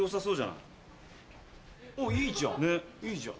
いいじゃん！